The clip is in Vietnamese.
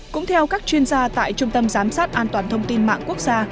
cũng theo các chuyên gia tại trung tâm giám sát an toàn thông tin mạng quốc gia